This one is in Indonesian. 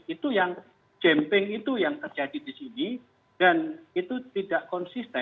itu yang jimping itu yang terjadi di sini dan itu tidak konsisten